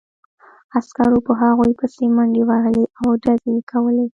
عسکرو په هغوی پسې منډې وهلې او ډزې یې کولې